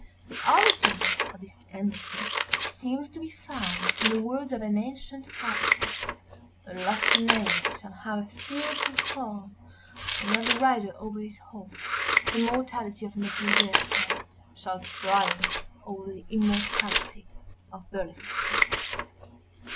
The origin of this enmity seems to be found in the words of an ancient prophecy—"A lofty name shall have a fearful fall when, as the rider over his horse, the mortality of Metzengerstein shall triumph over the immortality of Berlifitzing."